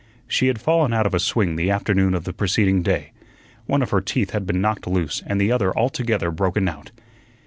She had fallen out of a swing the afternoon of the preceding day; one of her teeth had been knocked loose and the other altogether broken out.